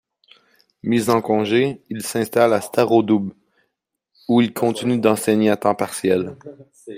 Mis en congé, il s'installe à Starodoub, où il continue d'enseigner à temps partiel.